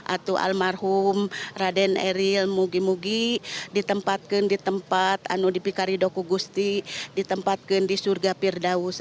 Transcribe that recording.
atau almarhum raden eril mugi mugi ditempatkan di tempat anu dipikari doku gusti ditempatkan di surga pirdaus